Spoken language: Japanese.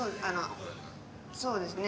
そうですね。